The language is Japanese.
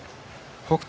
北勝